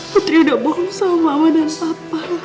putri udah bohong sama mama dan papa